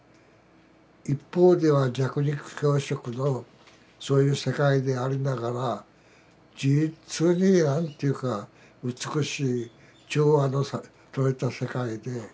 一方では弱肉強食のそういう世界でありながら実に何ていうか美しい調和のとれた世界で。